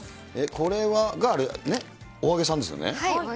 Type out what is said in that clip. これが、お揚げさんです。